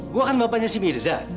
gue kan bapaknya si mirza